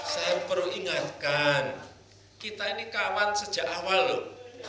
saya perlu ingatkan kita ini kawan sejak awal loh